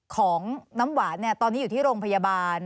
ของน้ำหวานตอนนี้อยู่ที่โรงพยาบาล